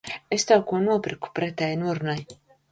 Es tev ko nopirku pretēji norunai.